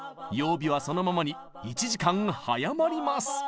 曜日はそのままに１時間早まります！